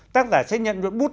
tác giả sẽ nhận nhuận bút